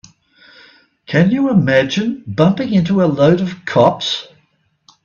Can you imagine bumping into a load of cops?